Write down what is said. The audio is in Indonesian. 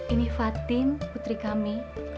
ini fatin putri kami